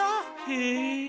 へえ。